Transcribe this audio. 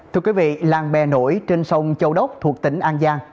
thưa quý vị làng bè nổi trên sông châu đốc thuộc tỉnh an giang